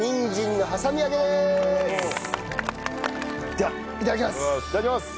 ではいただきます。